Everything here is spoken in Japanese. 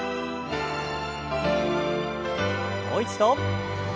もう一度。